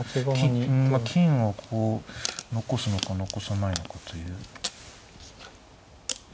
まあ金をこう残すのか残さないのかという。